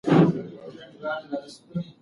لمرخاته د نوې ورځې پیل نه دی.